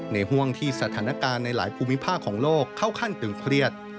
ห่วงที่สถานการณ์ในหลายภูมิภาคของโลกเข้าขั้นตึงเครียด